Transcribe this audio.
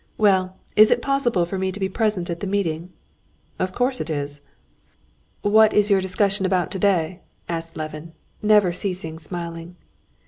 Well, is it possible for me to be present at the meeting?" "Of course it is." "What is your discussion about today?" asked Levin, never ceasing smiling.